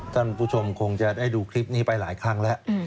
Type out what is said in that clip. ท่านผู้ชมคงจะได้ดูคลิปนี้ไปหลายครั้งแล้ว